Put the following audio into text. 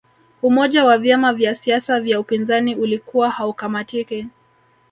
umoja wa vyama vya siasa vya upinzani ulikuwa haukamatiki